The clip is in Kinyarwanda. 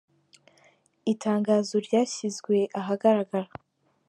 Itangazo ryashyizwe ahagaragara.